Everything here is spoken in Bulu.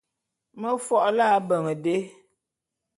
Me fo’o lo ábeñ dé.